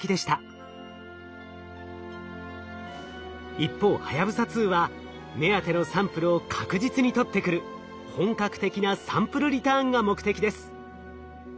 一方はやぶさ２は目当てのサンプルを確実に取ってくる本格的なサンプルリターンが目的です。